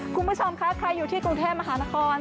คุณผู้ชมคะใครอยู่ที่กรุงเทพมหานคร